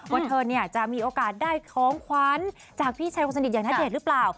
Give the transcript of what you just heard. ว่าเธอจะมีโอกาสได้ของขวัญจากพี่ชายคนสนิทอย่างณเดชน์หรือเปล่า